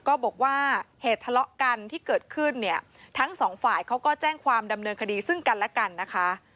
ก็บอกว่าเหตุทะเลาะกันที่เกิดขึ้นเนี่ยทั้งสองฝ่ายเขาก็แจ้งความดำเนินคดีซึ่งกันและกันนะคะ